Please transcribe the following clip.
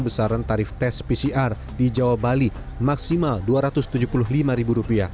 besaran tarif tes pcr di jawa bali maksimal rp dua ratus tujuh puluh lima